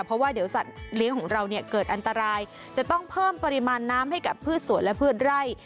เพราะว่าเดี๋ยวสัตว์เลี้ยงของเราเนี่ยเกิดอันตรายจะต้องเพิ่มปริมาณน้ำให้กับพืชสวนและพืชไร่